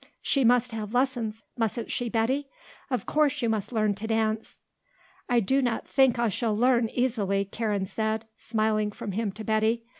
She must have lessons, mustn't she, Betty? Of course you must learn to dance." "I do not think I shall learn easily," Karen said, smiling from him to Betty.